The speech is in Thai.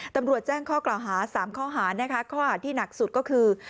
ตำรวจแจ้ง๓ข้อเกลาหาข้อหาที่หนักสุดก็คือ